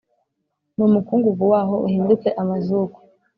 n umukungugu waho uhinduke amazuku